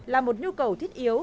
là một nhu cầu thiết yếu